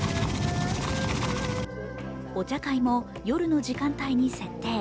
お茶会も夜の時間帯に設定。